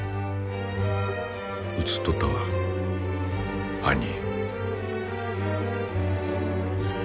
映っとったわ犯人。